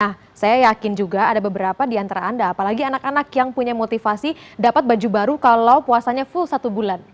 nah saya yakin juga ada beberapa di antara anda apalagi anak anak yang punya motivasi dapat baju baru kalau puasanya full satu bulan